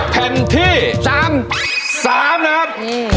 แผ่นที่สามสามนะครับ